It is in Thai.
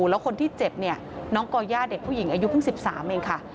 แล้วคนที่เจ็บเนี่ยน้องก่อย่าเด็กผู้หญิงอายุเพิ่ง๑๓เองค่ะ